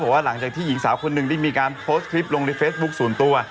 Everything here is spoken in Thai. ว่าหลังจากที่หญิงสาวคนหนึ่งได้มีการโพสต์คลิปลงในเฟซบุ๊คส่วนตัว